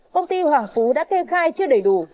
công ty hoàng phú đã kê khai chưa đầy đủ